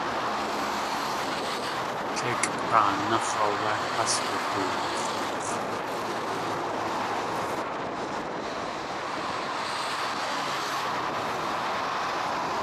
Tlékʼg̲aanáx̲ áwé has wuduwax̲oox̲.